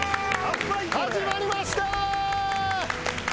始まりました！